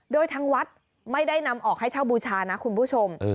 โดยทางวัดไม่ได้นำออกให้เช่าบูชานะคุณผู้ชม